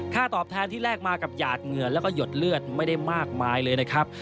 ตอบแทนที่แลกมากับหยาดเหงื่อแล้วก็หยดเลือดไม่ได้มากมายเลยนะครับ